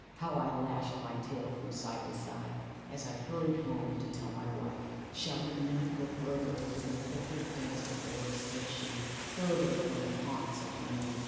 How I lashed my tail from side to side, as I hurried home to tell my wife. '' 'Shall we not all go farther into the thicker denser forest,' said she, 'farther from the haunts of man